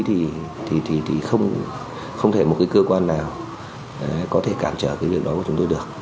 thì không thể một cái cơ quan nào có thể cản trở cái việc đó của chúng tôi được